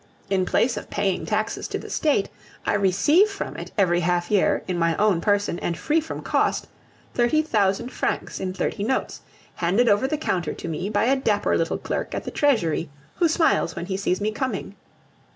In place of paying taxes to the State, I receive from it, every half year, in my own person, and free from cost, thirty thousand francs in thirty notes, handed over the counter to me by a dapper little clerk at the Treasury, who smiles when he sees me coming!